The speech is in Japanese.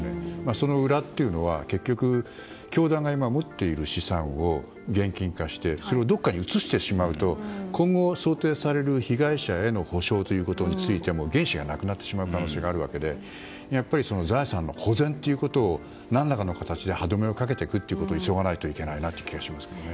その裏というのは結局、教団が今持っている資産を現金化してそれを、どこかに移してしまうと今後想定される被害者への補償についても原資がなくなってしまう可能性があるわけでやっぱり、財産保全ということを何らかの形で歯止めをかけていくことを急がなければいけないなと思いますね。